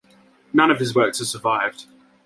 None of his works have survived.